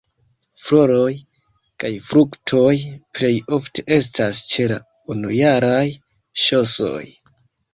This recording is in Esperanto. Floroj kaj fruktoj plej ofte estas ĉe la unujaraj ŝosoj.